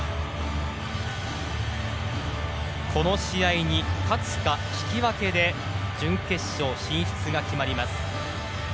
この試合に勝つか引き分けで準決勝進出が決まります。